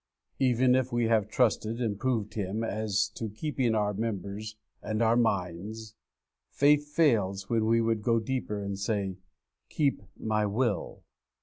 Even if we have trusted and proved Him as to keeping our members and our minds, faith fails when we would go deeper and say, 'Keep my will!'